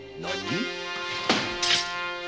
何？